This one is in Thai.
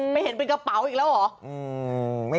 เห็นเป็นกระเป๋าอีกแล้วเหรอ